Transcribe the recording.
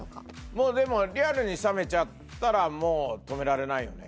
もうでもリアルに冷めちゃったら止められないよね